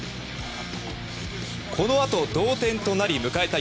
このあと同点となり迎えた